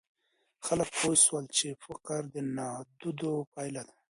خلګ پوه سول چي فقر د نادودو پایله ده.